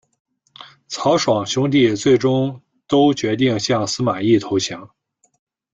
曹爽兄弟最终都决定向司马懿投降。